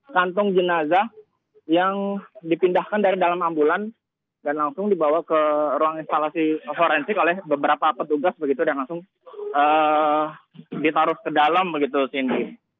kantong jenazah yang dipindahkan dari dalam ambulan dan langsung dibawa ke ruang instalasi forensik oleh beberapa petugas begitu dan langsung ditaruh ke dalam begitu cindy